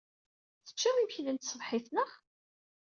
Tecciḍ imekli n tṣebḥit, naɣ?